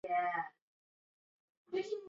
新头足纲。